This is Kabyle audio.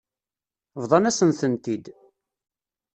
Bḍan-asen-tent-id.